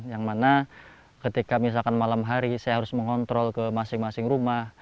yang mana ketika misalkan malam hari saya harus mengontrol ke masing masing rumah